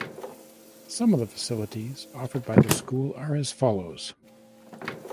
Some of the facilities offered by this school are as follows